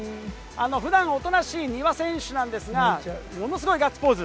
ふだんおとなしい丹羽選手なんですが、ものすごいガッツポーズ。